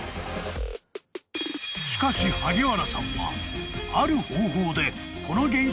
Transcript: ［しかし萩原さんは］